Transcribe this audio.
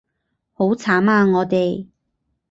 好慘啊我哋